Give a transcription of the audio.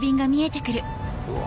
うわ